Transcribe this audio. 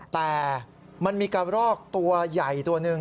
แต่มันมีกระรอกตัวใหญ่ตัวหนึ่ง